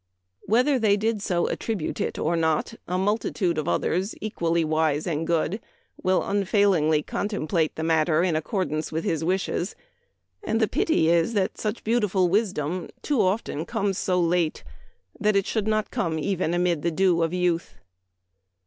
Whether they did so "attribute it" or not, a multitude of others, equally wise and good, will unfailingly contemplate the matter in ac cordance with his wishes ; and the pity is that such beautiful wisdom too often comes so late ; that it should not come even amid the dew of youth.